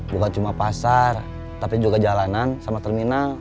bukan cuma pasar tapi juga jalanan sama terminal